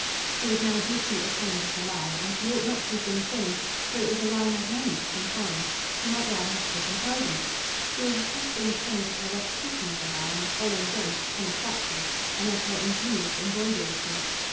She was now deeply ashamed of the lie and she ought not to have been ashamed, for it was a lie magnanimous and fine; she might rather have taken pride in it. She was especially ashamed of her repetition of the lie on the following day to Thomas Batchgrew, and of her ingenious embroidery upon it.